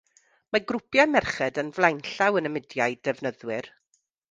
Mae grwpiau merched yn flaenllaw yn y mudiad defnyddwyr.